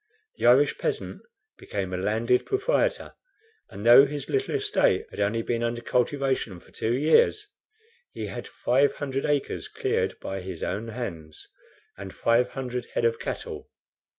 The Irish peasant became a landed proprietor, and though his little estate had only been under cultivation for two years, he had five hundred acres cleared by his own hands, and five hundred head of cattle.